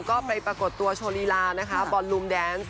ก็ไปปรากฏตัวโชว์ลีลานะคะบอลลูมแดนซ์